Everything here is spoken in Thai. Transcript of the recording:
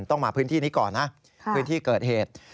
ต้องมาพื้นที่นี้ก่อนนะพื้นที่เกิดเหตุ